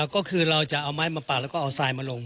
ก็คือเราจะเอาไม้มาปาดแล้วก็เอาทรายมาลง